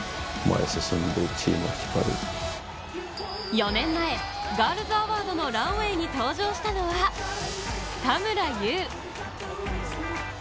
４年前、ガールズアワードのランウェイに登場したのは、田村優。